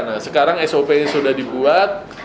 nah sekarang sop nya sudah dibuat